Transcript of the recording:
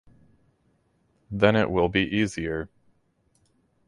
Then it will be easier.